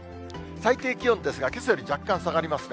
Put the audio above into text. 最低気温ですが、けさより若干下がりますね。